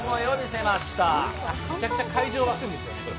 めちゃくちゃ会場沸くんです